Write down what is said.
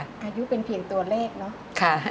อายุเป็นเพียงตัวเลขเนาะ